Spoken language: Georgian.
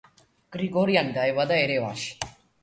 გრიგორიანი დაიბადა ერევანში.